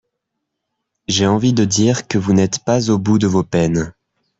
J’ai envie de dire que vous n’êtes pas au bout de vos peines.